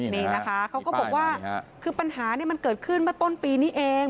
นี่นะคะเขาก็บอกว่าคือปัญหามันเกิดขึ้นเมื่อต้นปีนี้เอง